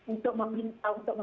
untuk meminta untuk